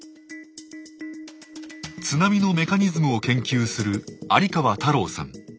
津波のメカニズムを研究する有川太郎さん。